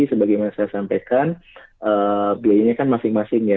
sebagaimana saya sampaikan biayanya kan masing masing ya